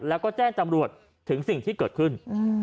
แล้วก็แจ้งตำรวจถึงสิ่งที่เกิดขึ้น